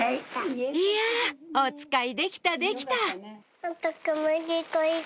いやおつかいできたできた！